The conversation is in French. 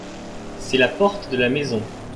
C’est la porte de la maison.